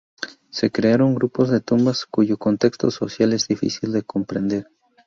Se crearon grupos de tumbas, cuyo contexto social es difícil de comprender.